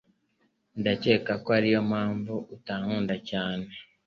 Ndakeka ko ariyo mpamvu utankunda cyane